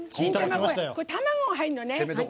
卵が入るのね。